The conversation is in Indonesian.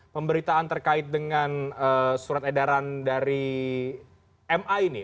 pemberitaan terkait dengan surat edaran dari ma ini